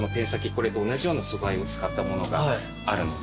これと同じような素材を使ったものがあるので。